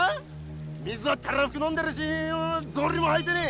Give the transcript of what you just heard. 水はたらふく飲んでるし草履も履いてねえ。